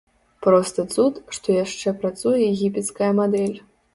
Проста цуд, што яшчэ працуе егіпецкая мадэль.